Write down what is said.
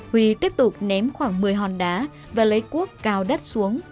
huy tiếp tục ném khoảng một mươi hòn đá và lấy cuốc cao đất xuống